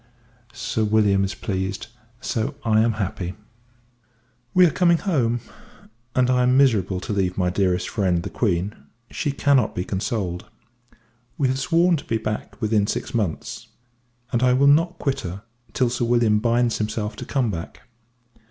Sir W. is pleased, so I am happy. We are coming home; and I am miserable, to leave my dearest friend, the Q . She cannot be consoled. We have sworn to be back in six months; and I will not quit her, till Sir William binds himself to come back.